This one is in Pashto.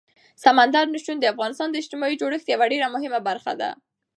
سمندر نه شتون د افغانستان د اجتماعي جوړښت یوه ډېره مهمه برخه ده.